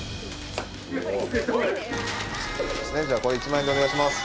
１万円でお願いします。